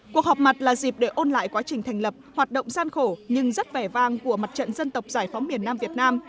cuộc họp mặt là dịp để ôn lại quá trình thành lập hoạt động gian khổ nhưng rất vẻ vang của mặt trận dân tộc giải phóng miền nam việt nam